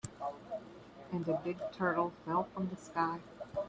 And a big turtle fell from the sky.